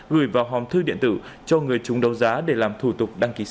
gửi vào hòm thư điện tử cho người chúng đấu giá để làm thủ tục đăng ký xe